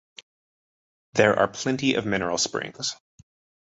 There are plenty of mineral springs.